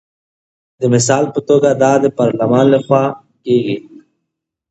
د مثال په توګه دا د پارلمان لخوا کیږي.